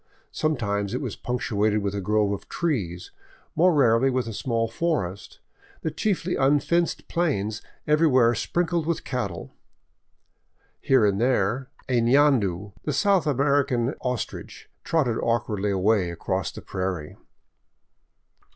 Sometimes it was punctuated with a grove of trees, more rarely with a small forest, the chiefly unfenced plains everywhere sprinkled with cattle. Here and there a fiandu, the South American ostrich, trotted awkwardly away across the prairie.